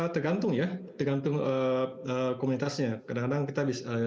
tergantung ya tergantung komunitasnya